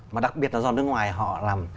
mà đặc biệt là do nước ngoài họ làm